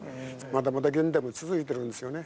まだまだ現代も続いてるんですよね。